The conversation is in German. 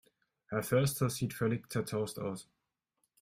Herr Förster sieht völlig zerzaust aus.